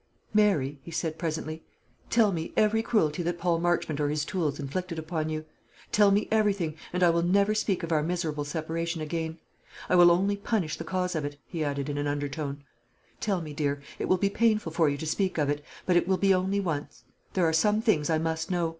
"Mary," he said, presently, "tell me every cruelty that Paul Marchmont or his tools inflicted upon you; tell me everything, and I will never speak of our miserable separation again. I will only punish the cause of it," he added, in an undertone. "Tell me, dear. It will be painful for you to speak of it; but it will be only once. There are some things I must know.